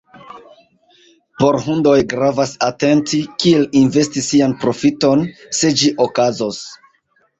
Por Hundoj gravas atenti, kiel investi sian profiton, se ĝi okazos.